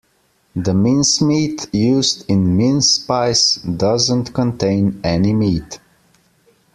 The mincemeat used in mince pies doesn't contain any meat